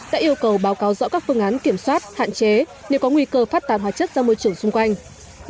đã yêu cầu báo cáo rõ các phương án kiểm soát hạn chế nếu có nguy cơ phát tàn hóa chất ra môi trường xung quanh